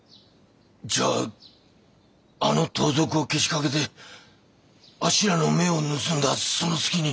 じゃああの盗賊をけしかけてあっしらの目を盗んだその隙に。